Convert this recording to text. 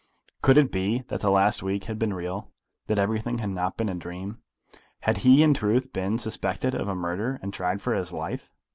Could it be that the last week had been real, that everything had not been a dream? Had he in truth been suspected of a murder and tried for his life?